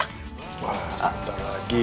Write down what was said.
wah sebentar lagi